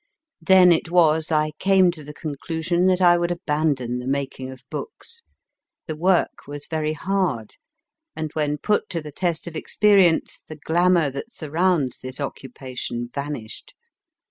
Then it was I came to the conclusion that I would abandon the making of books. The work was very H. RIDER HAGGARD hard, and when put to the test of experience the glamour that surrounds this occupation vanished.